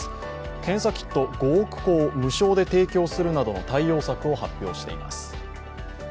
検査キット５億個を無償で提供するなどの対応策を発表しています。